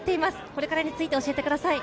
これからについて教えてください。